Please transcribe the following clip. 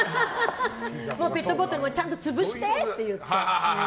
ペットボトルもちゃんと潰してって言って。